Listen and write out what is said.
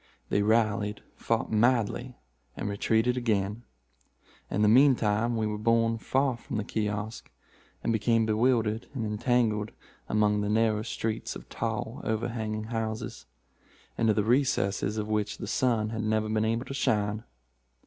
They rallied, fought madly, and retreated again. In the mean time we were borne far from the kiosk, and became bewildered and entangled among the narrow streets of tall, overhanging houses, into the recesses of which the sun had never been able to shine.